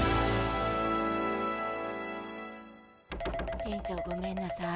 店長ごめんなさい。